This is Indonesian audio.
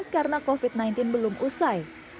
karena covid sembilan belas belum usai